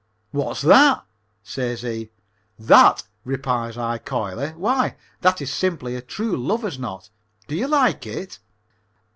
"What's that?" says he. "That," replies I coyly. "Why, that is simply a True Lover's knot. Do you like it?"